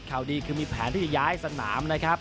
ข่าวดีคือมีแผนที่จะย้ายสนามนะครับ